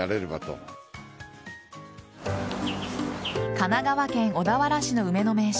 神奈川県小田原市の梅の名所